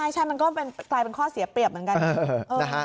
ใช่มันก็กลายเป็นข้อเสียเปรียบเหมือนกัน